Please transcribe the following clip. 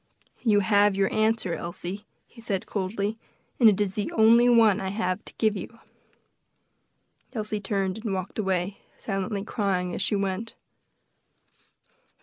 "You have your answer, Elsie," he said coldly; "and it is the only one I have to give you." Elsie turned and walked away, silently crying as she went.